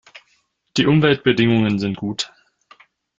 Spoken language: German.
Die Umweltbedingungen sind gut.